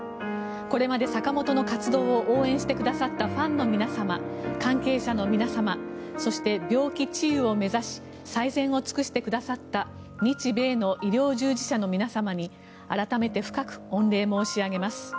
これまで坂本の活動を応援してくださったファンの皆様関係者の皆様そして病気治癒を目指し最善を尽くしてくださった日米の医療従事者の皆様に改めて深く御礼申し上げます。